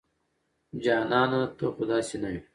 جانانه ته خو داسې نه وې